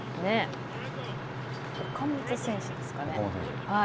岡本選手ですかね。